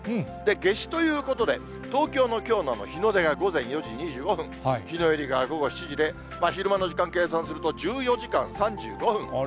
夏至ということで、東京のきょうの日の出が午前４時２５分、日の入りが午後７時で、昼間の時間、計算すると、１４時間３５分。